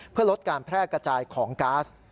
เพื่อลดการแพร่กระจายของก๊าซ